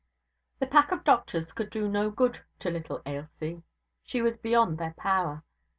The pack of doctors could do no good to little Ailsie. She was beyond their power.